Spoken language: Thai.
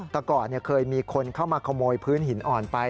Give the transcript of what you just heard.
แต่ก่อนเคยมีคนเข้ามาขโมยพื้นหินอ่อนไป